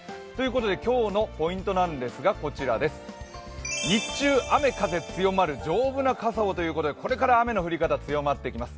今日のポイントですが、日中雨風強まる、丈夫な傘をということで、これから雨の降り方強まってきます。